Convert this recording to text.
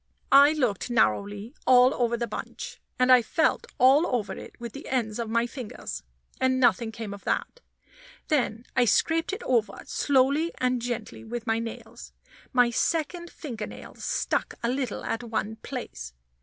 I looked narrowly all over the bunch, and I felt all over it with the ends of my fingers, and nothing came of that. Then I scraped it over slowly and gently with my nails. My second finger nail stuck a little at one place.